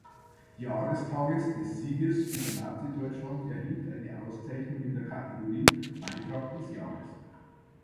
Jahrestages des Sieges über Nazideutschland erhielt eine Auszeichnung in der Kategorie "Beitrag des Jahres".